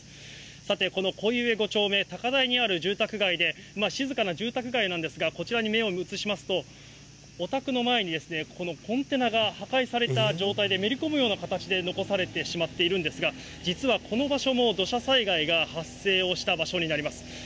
さてこのこいうえ５丁目、高台にある住宅街で静かな住宅街なんですが、こちらに目を移しますと、お宅の前にこのコンテナが破壊された状態で、めり込むような状態で残されてしまっているんですが、実はこの場所も土砂災害が発生をした場所になります。